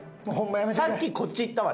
さっきこっちいった？